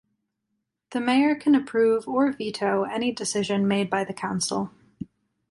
The mayor can approve or veto any decision made by the council.